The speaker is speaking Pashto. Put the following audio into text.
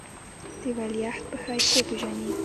د ولیعهد په حیث وپېژني.